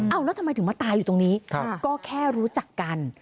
เอาแล้วทำไมถึงมาตายอยู่ตรงนี้ก็แค่รู้จักกัน